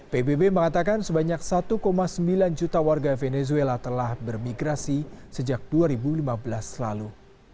pbb mengatakan sebanyak satu sembilan juta warga venezuela telah bermigrasi sejak dua ribu lima belas lalu